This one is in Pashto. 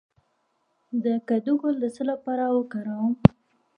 د کدو ګل د څه لپاره وکاروم؟